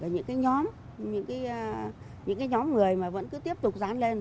những cái nhóm những cái nhóm người mà vẫn cứ tiếp tục dán lên